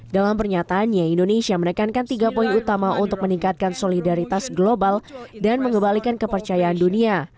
dalam pernyataannya indonesia menekankan tiga poin utama untuk meningkatkan solidaritas global dan mengembalikan kepercayaan dunia